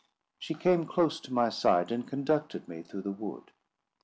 She came close to my side, and conducted me through the wood.